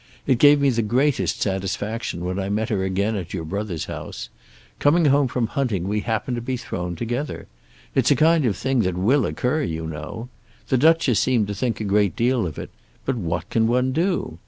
It gave me the greatest satisfaction when I met her again at your brother's house. Coming home from hunting we happened to be thrown together. It's a kind of thing that will occur, you know. The Duchess seemed to think a great deal of it; but what can one do?